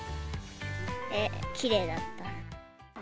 きれいだった。